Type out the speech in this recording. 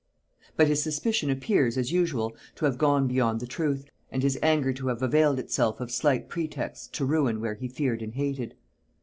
But his suspicion appears, as usual, to have gone beyond the truth, and his anger to have availed itself of slight pretexts to ruin where he feared and hated.